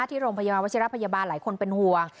ที่โรงพยาบาลวัชิระพยาบาลหลายคนเป็นห่วง